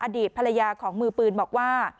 อดีตภรรยาของมือปืนบอกว่า